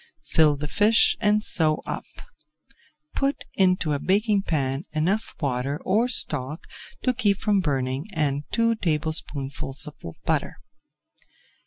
Fill the fish and sew up; put into a baking pan enough water or stock to keep from burning and two tablespoonfuls of butter.